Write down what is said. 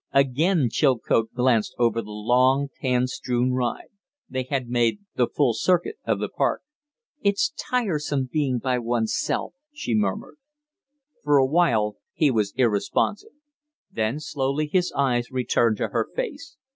Again Chilcote glanced over the long, tan strewn ride. They had made the full circuit of the park. "It's tiresome being by one's self," she murmured. For a while he was irresponsive, then slowly his eyes returned to her face.